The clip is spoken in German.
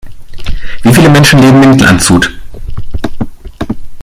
Wie viele Menschen leben in Landshut?